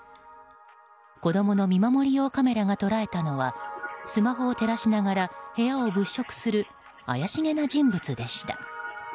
子供の見守り用カメラが捉えたのはスマホを照らしながら部屋を物色する怪しげな人物でした。